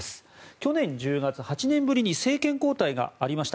去年１０月、８年ぶりに政権交代がありました。